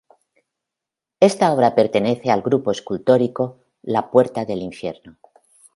Esta obra pertenece al grupo escultórico La puerta del infierno.